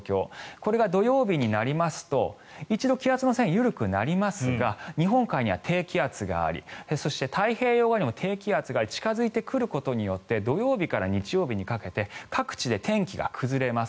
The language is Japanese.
これが土曜日になりますと一度、気圧の線が緩くなりますが日本海には低気圧がありそして、太平洋側にも低気圧が近付いてくることによって土曜日から日曜日にかけて各地で天気が崩れます。